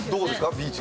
ビーチ。